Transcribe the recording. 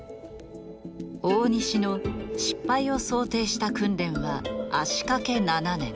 大西の失敗を想定した訓練は足かけ７年。